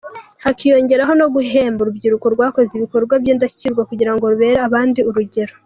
Hakiyongeraho no guhemba urubyiruko rwakoze ibikorwa by’indashyikirwa kugira ngo rubere abandi urugero.